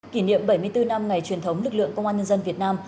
kỷ niệm bảy mươi bốn năm ngày truyền thống lực lượng công an nhân dân việt nam